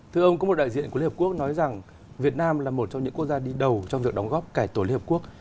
thưa ông có một đại diện của liên hợp quốc nói rằng việt nam là một trong những quốc gia đi đầu trong việc đóng góp cải tổ liên hợp quốc